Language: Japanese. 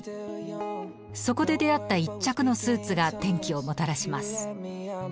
そこで出会った１着のスーツが転機をもたらします。